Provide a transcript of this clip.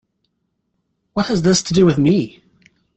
What has this to do with me?